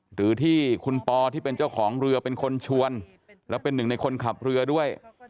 หรือที่คุณปอที่เป็นเจ้าของเรือเป็นคนชวนแล้วเป็นหนึ่งในคนขับเรือด้วย